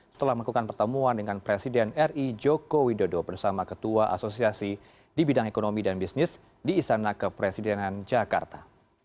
setelah melakukan pertemuan dengan presiden ri joko widodo bersama ketua asosiasi di bidang ekonomi dan bisnis di istana kepresidenan jakarta